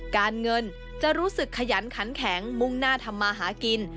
การเงินจะรู้สึกขยันขันแข็งมุ่งหน้าทำมาหากิน